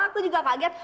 sama aku juga kaget